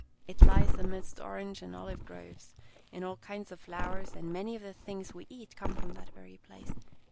" It lies amidst orange and olive groves, and all kinds of flowers, and many of the things we eat come from that very place.